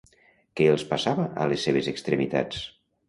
Què els passava a les seves extremitats?